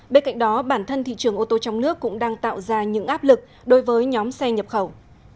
bên cạnh đó bản thân thị trường ô tô trong nước cũng đang tạo ra những áp lực đối với nhóm xe nhập khẩu